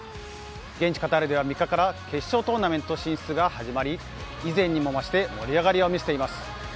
現地カタールでは３日から、決勝トーナメント進出が始まり、以前にも増して盛り上がりを見せています。